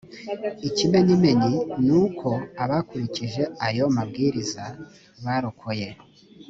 ikimenyimenyi ni uko abakurikije ayo mabwiriza barokoye